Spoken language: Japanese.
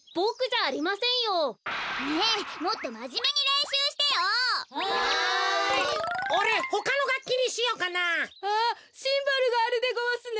あっシンバルがあるでごわすね。